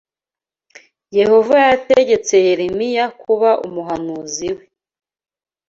Yehova yategetse Yeremiya kuba umuhanuzi We.